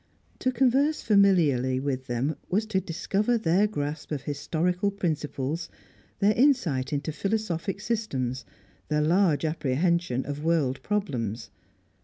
To converse familiarly with them was to discover their grasp of historical principles, their insight into philosophic systems, their large apprehension of world problems.